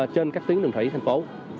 trên các tuyến đường thủy thành phố